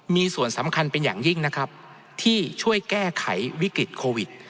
มีส่วนสำคัญเป็นอย่างยิ่งนะครับที่ช่วยแก้ไขวิกฤตโควิด